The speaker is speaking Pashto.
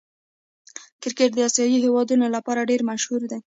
کرکټ د آسيايي هېوادو له پاره ډېر مهم دئ.